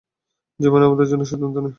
জীবনই আমাদের জন্য সিদ্ধান্ত নেয়।